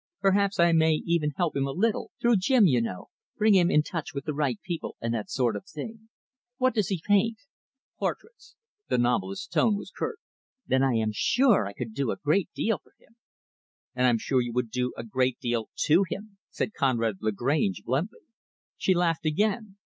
Perhaps I may even help him a little, through Jim, you know bring him in touch with the right people and that sort of thing. What does he paint?" "Portraits." The novelist's tone was curt. "Then I am sure I could do a great deal for him." "And I am sure you would do a great deal to him," said Conrad Lagrange, bluntly. She laughed again.